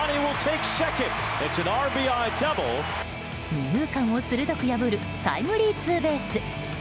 二遊間を鋭く破るタイムリーツーベース。